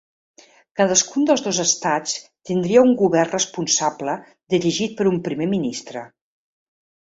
Cadascun dels dos estats tindria un govern responsable dirigit per un primer ministre.